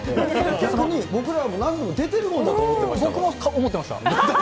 逆に僕らも出てるもんだと思僕も思ってました。